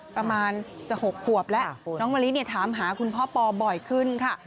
ประมาณจะ๖ขวบแล้วน้องมะลิถามหาคุณพ่อปอบ่อยขึ้นค่ะ